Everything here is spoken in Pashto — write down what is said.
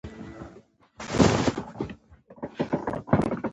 خلک کم ساعتونه کار کوي او اوږدې رخصتۍ اخلي